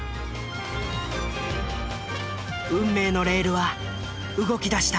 運命のレールは動きだした。